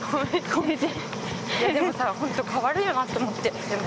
でも本当、変わるよなと思って。